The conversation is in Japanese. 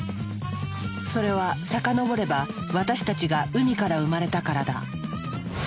それは遡れば私たちが海から生まれたからだ。